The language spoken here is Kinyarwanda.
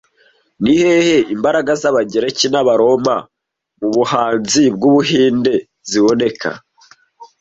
Ni hehe imbaraga z'Abagereki n'Abaroma mu buhanzi bw'Ubuhinde ziboneka